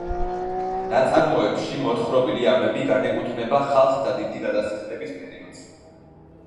ნაწარმოებში მოთხრობილი ამბები განეკუთვნება ხალხთა დიდი გადასახლების პერიოდს.